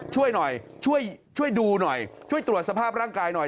ช่วยหน่อยช่วยช่วยดูหน่อยช่วยตรวจสภาพร่างกายหน่อย